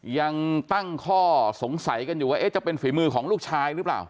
ยังตั้งข้อสงสัยกันอยู่ว่าจะเป็นฝีมือของลูกชายหรือเปล่า